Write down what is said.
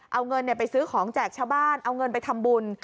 เอาเงินไปซื้อของแจกชาวบ้านเอาเงินไปทำบุญ